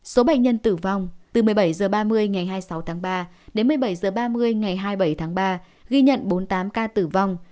số bệnh nhân tử vong từ một mươi bảy h ba mươi ngày hai mươi sáu tháng ba đến một mươi bảy h ba mươi ngày hai mươi bảy tháng ba ghi nhận bốn mươi tám ca tử vong